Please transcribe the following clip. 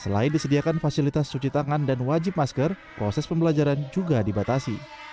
selain disediakan fasilitas cuci tangan dan wajib masker proses pembelajaran juga dibatasi